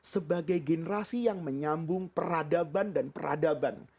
sebagai generasi yang menyambung peradaban dan peradaban